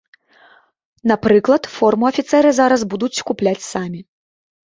Напрыклад, форму афіцэры зараз будуць купляць самі.